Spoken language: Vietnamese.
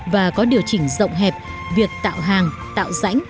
và có điều chỉnh rộng hẹp việc tạo hàng tạo rãnh